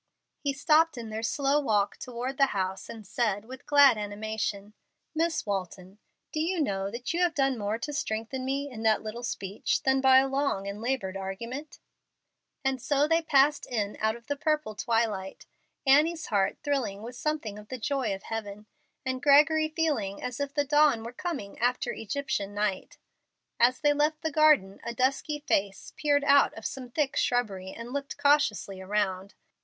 He stopped in their slow walk toward the house and said, with glad animation, "Miss Walton, do you know you have done more to strengthen me in that little speech than by a long and labored argument?" And so they passed in out of the purple twilight, Annie's heart thrilling with something of the joy of heaven, and Gregory feeling as if the dawn were coming after Egyptian night. As they left the garden a dusky face peered out of some thick shrubbery and looked cautiously around.